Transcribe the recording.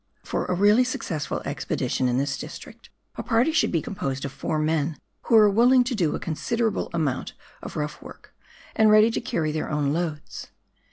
For a realh' successful expedition in this district, a party should be composed of four men, who are willing to do a con siderable amount of rough work, and ready to carry their own loads.